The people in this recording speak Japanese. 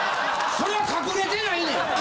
それは隠れてないねん！